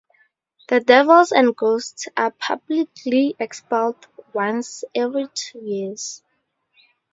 The devils and ghosts are publicly expelled once every two years.